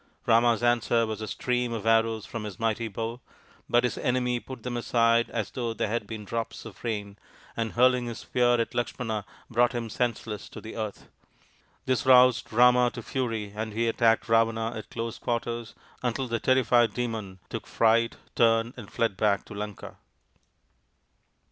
Rama's answer was a stream of arrows from his mighty bow, but his enemy put them aside as though they had been drops of rain, and hurling his spear at Lakshmana brought him senseless to the earth. This roused Rama to fury and he attacked Ravana at close quarters, until the the terrified Demon took fright, turned, and fled back to Lanka.